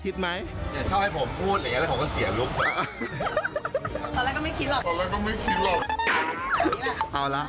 ก็จะผ่านด้านเมียถามเมียล้มกว่านี้ละ